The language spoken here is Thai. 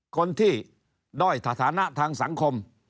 คนที่ด้อยสถานะทางสังคม